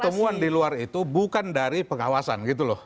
temuan di luar itu bukan dari pengawasan gitu loh